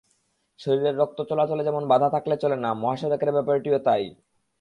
শরীরের রক্ত চলাচলে যেমন বাধা থাকলে চলে না, মহাসড়কের ব্যাপারটিও তা-ই।